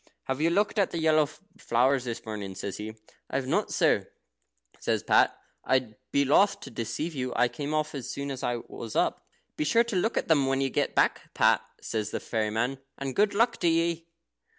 Have you looked at the yellow flowers this morning?" he says. "I have not, sir," says Pat; "I'd be loth to deceive you. I came off as soon as I was up." "Be sure to look when you get back, Pat," says the fairy man, "and good luck to ye."